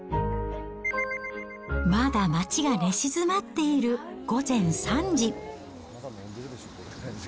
まだ街が寝静まっている午前３時。